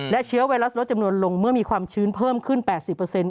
และเชื้อไวรัสลดจำนวนลงเมื่อมีความชื้นเพิ่มขึ้น๘๐